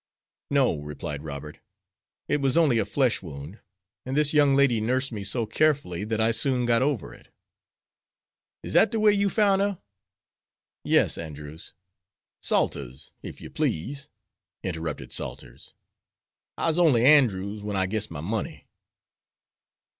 "No," replied Robert, "it was only a flesh wound; and this young lady nursed me so carefully that I soon got over it." "Is dat de way you foun' her?" "Yes, Andrews," "Salters, ef you please," interrupted Salters. I'se only Andrews wen I gits my money."